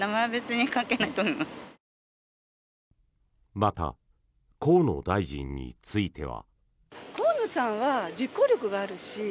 また、河野大臣については。